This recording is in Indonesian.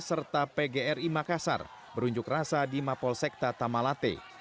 serta pgri makassar berunjuk rasa di mapol sekta tamalate